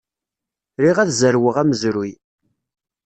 Riɣ ad zerweɣ amezruy.